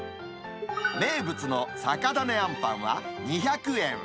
名物の酒種あんぱんは２００円。